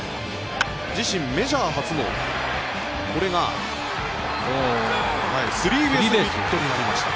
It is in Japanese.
自身メジャー初のこれがスリーベースヒットになりました。